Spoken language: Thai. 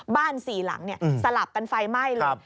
บ้านสี่หลังสลับเป็นไฟไหม้เลย